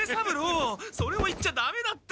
それを言っちゃダメだって！